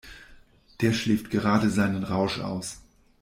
Der schläft gerade seinen Rausch aus.